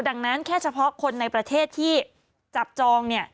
ดังนั้นแค่เฉพาะคนในประเทศที่จับจองเนี่ย